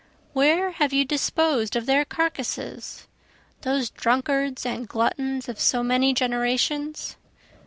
Where have you disposed of their carcasses? Those drunkards and gluttons of so many generations?